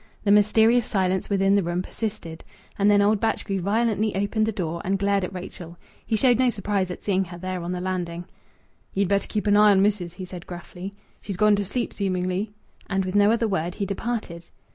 The mysterious silence within the room persisted. And then old Batchgrew violently opened the door and glared at Rachel. He showed no surprise at seeing her there on the landing. "Ye'd better keep an eye on missis," he said gruffly. "She's gone to sleep seemingly." And with no other word he departed.